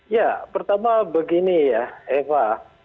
ya pertama begini ya eva